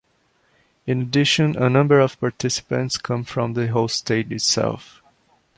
In addition, a number of participants come from the host state itself.